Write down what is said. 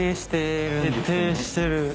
徹底してる。